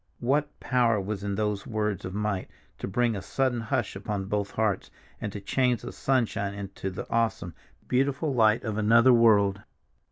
What power was in those words of might to bring a sudden hush upon both hearts, and to change the sunshine into the awesome, beautiful light of another world?